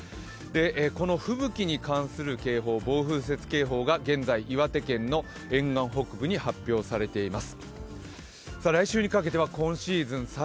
この吹雪に関する警報、暴風雪警報が現在岩手県の沿岸北部に発表されています。